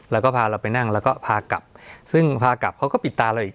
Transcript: แล้วก็พาเราไปนั่งแล้วก็พากลับซึ่งพากลับเขาก็ปิดตาเลย